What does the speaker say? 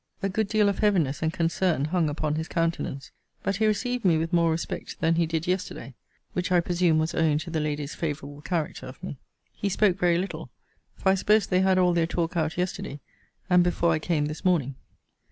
A good deal of heaviness and concern hung upon his countenance: but he received me with more respect than he did yesterday; which, I presume, was owing to the lady's favourable character of me. He spoke very little; for I suppose they had all their talk out yesterday, and before I came this morning.